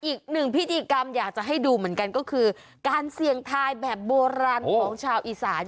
อีกหนึ่งพิธีกรรมอยากจะให้ดูเหมือนกันก็คือการเสี่ยงทายแบบโบราณของชาวอีสาน